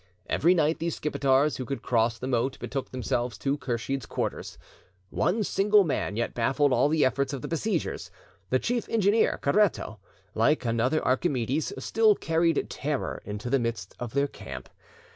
Every night these Skipetars who could cross the moat betook themselves to Kursheed's quarters. One single man yet baffled all the efforts of the besiegers. The chief engineer, Caretto, like another Archimedes, still carried terror into the midst of their camp.